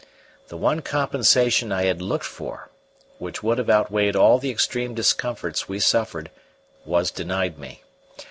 The one compensation I had looked for, which would have outweighed all the extreme discomforts we suffered, was denied me.